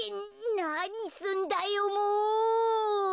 なにすんだよもう！